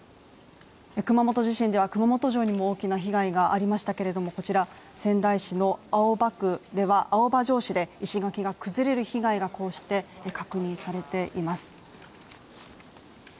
熊本地震では熊本城にも大きな被害がありましたけれどもこちら仙台市の青葉城址で石垣が崩れる被害がこうして確認されています。